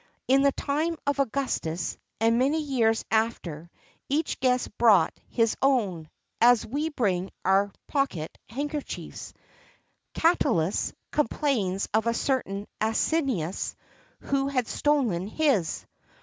In the time of Augustus, and many years after, each guest brought his own, as we bring our pocket handkerchiefs. Catullus complains of a certain Asinius, who had stolen his.